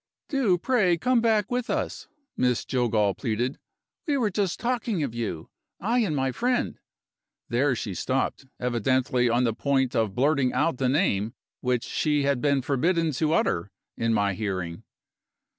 "Do pray come back with us," Miss Jillgall pleaded. "We were just talking of you. I and my friend " There she stopped, evidently on the point of blurting out the name which she had been forbidden to utter in my hearing.